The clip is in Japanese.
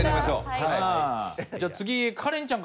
じゃあ次カレンちゃんからお題。